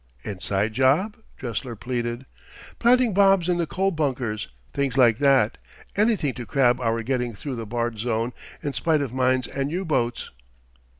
"'Inside job?'" Dressler pleaded. "Planting bombs in the coal bunkers things like that anything to crab our getting through the barred zone in spite of mines and U boats."